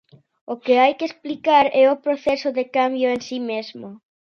O que hai que explicar é o proceso de cambio en si mesmo.